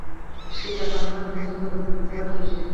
ښتې د افغانستان د موسم د بدلون سبب کېږي.